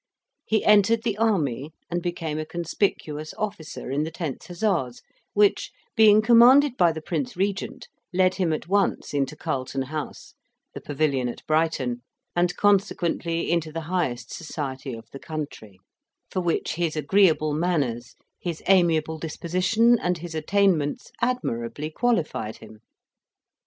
He entered the army and became a conspicuous officer in the 10th Hussars, which, being commanded by the Prince Regent, led him at once into Carlton House, the Pavilion at Brighton, and consequently into the highest society of the country; for which his agreeable manners, his amiable disposition, and his attainments, admirably qualified him.